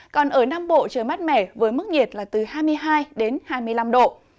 còn ở nam bộ trời mát mẻ với mức nhiệt là từ hai mươi hai đến hai mươi năm độ